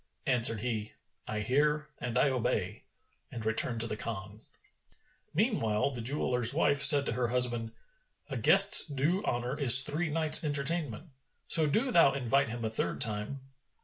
Answered he, "I hear and I obey," and returned to the Khan. Meanwhile the jeweller's wife said to her husband, "A guest's due honour is three nights' entertainment: so do thou invite him a third time."